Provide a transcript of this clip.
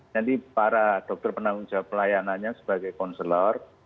nanti para dokter penanggung jawab pelayanannya sebagai konselor